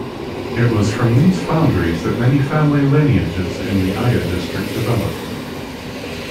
It was from these foundries that many family lineages in the Aia district developed.